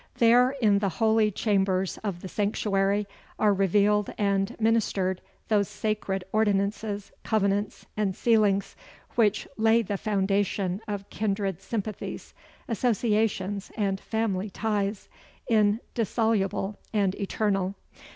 There, in the holy chambers of the sanctuary, are revealed and ministered those sacred ordinances, covenants, and sealings, which lay the foundation of kindred sympathies, associations, and family ties, indissoluble and eternal.